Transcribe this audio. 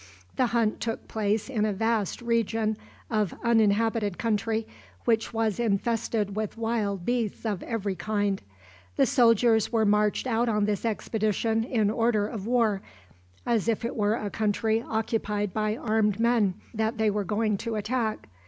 The hunt took place in a vast region of uninhabited country, which was infested with wild beasts of every kind. The soldiers were marched out on this expedition in order of war, as if it were a country occupied by armed men that they were going to attack.